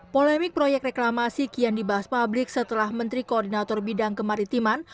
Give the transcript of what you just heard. polemik proyek reklamasi kian dibahas publik setelah menteri koordinator bidang kemaritiman